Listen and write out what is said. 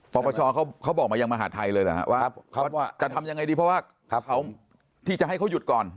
ปปชเขาบอกมายังมหาดไทยเลยเหรอฮะว่าจะทำยังไงดีเพราะว่าเขาที่จะให้เขาหยุดก่อน